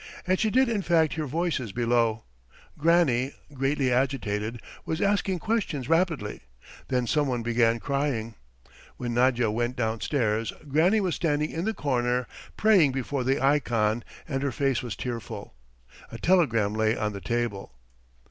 And she did in fact hear voices below; Granny, greatly agitated, was asking questions rapidly. Then some one began crying. ... When Nadya went downstairs Granny was standing in the corner, praying before the ikon and her face was tearful. A telegram lay on the table.